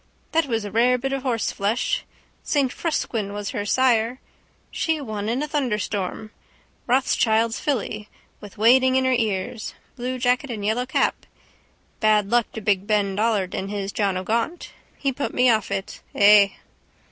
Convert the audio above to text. That was a rare bit of horseflesh. Saint Frusquin was her sire. She won in a thunderstorm, Rothschild's filly, with wadding in her ears. Blue jacket and yellow cap. Bad luck to big Ben Dollard and his John O'Gaunt. He put me off it. Ay.